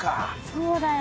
そうだよ。